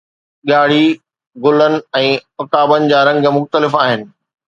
ڳاڙهي، گلن ۽ عقابن جا رنگ مختلف آهن